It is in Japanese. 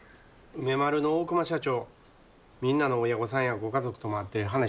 梅丸の大熊社長みんなの親御さんやご家族とも会って話したみたいやけど。